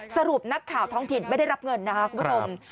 สรุปนักข่าวท้องถิ่นไม่ได้รับเงินนะครับคุณผู้ชม